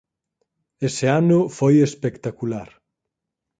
Ese ano foi espectacular